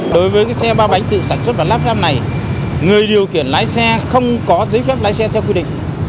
đối với xe ba bánh tự sản xuất và lắp ráp này người điều khiển lái xe không có giấy phép lái xe theo quy định